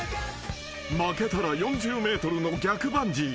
［負けたら４０ｍの逆バンジー。